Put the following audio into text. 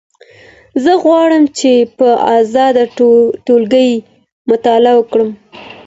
زه غواړم چي په ازاده توګه مطالعه وکړم.